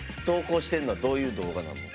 投稿してんのはどういう動画なの？